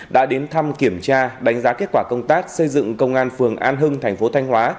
đã đến thăm kiểm tra đánh giá kết quả công tác xây dựng công an phường an hưng thành phố thanh hóa